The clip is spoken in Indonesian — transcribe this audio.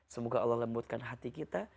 semoga allah lembutkan hati kita